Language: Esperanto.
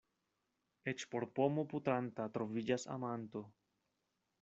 Eĉ por pomo putranta troviĝas amanto.